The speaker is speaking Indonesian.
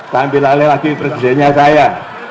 tampil alih lagi presidennya saya